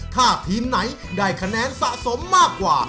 ถ้าทีมไหนได้คะแนนสะสมมากกว่า